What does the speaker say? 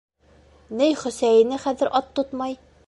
Ней Хөсәйене хәҙер ат тотмай!